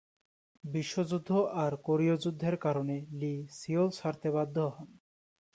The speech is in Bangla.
বিশ্বযুদ্ধ আর কোরীয় যুদ্ধের যুদ্ধের কারণে লি সিউল ছাড়তে বাধ্য হন।